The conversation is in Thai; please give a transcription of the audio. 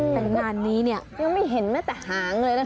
แต่งานนี้เนี่ยยังไม่เห็นแม้แต่หางเลยนะคะ